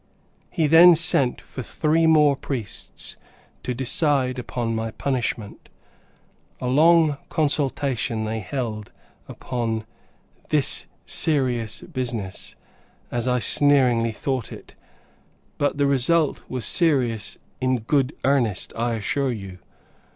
He then sent for three more priests, to decide upon my punishment. A long consultation they held upon "this serious business," as I sneeringly thought it, but the result was serious in good earnest, I assure you.